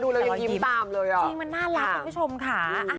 จริงเราดูแล้วยิ้มตามเลยอะ